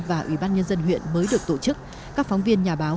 và ủy ban nhân dân huyện mới được tổ chức các phóng viên nhà báo